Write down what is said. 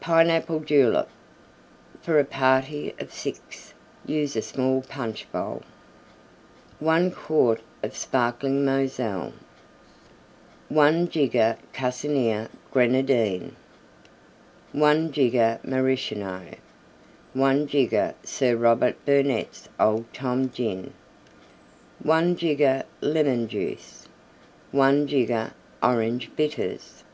PINEAPPLE JULEP (for a party of 6 Use a small punch bowl) 1 quart of Sparkling Moselle. 1 jigger Cusenier Grenadine. 1 jigger Maraschino. 1 jigger Sir Robert Burnette's Old Tom Gin. 1 jigger Lemon Juice. 1 jigger Orange Bitters.